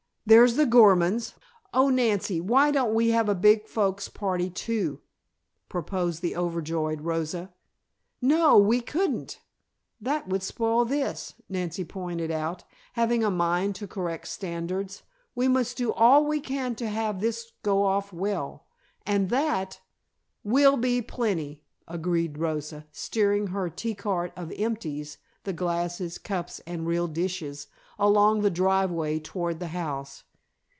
There's the Gormans! Oh, Nancy, why don't we have a big folks party, too?" proposed the over joyed Rosa. "No, we couldn't. That would spoil this," Nancy pointed out, having a mind to correct standards. "We must do all we can to have this go off well, and that " "Will be plenty," agreed Rosa, steering her tea cart of "empties" (the glasses, cups and real dishes) along the driveway toward the house.